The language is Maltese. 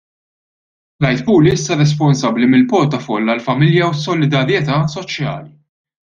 Clyde Puli issa responsabbli mill-portafoll għall-Familja u s-Solidarjetà Soċjali.